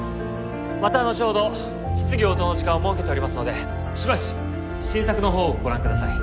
また後ほど質疑応答の時間を設けておりますのでしばし新作の方をご覧ください